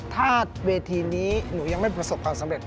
ถ้าเวทีนี้หนูยังไม่ประสบความสำเร็จ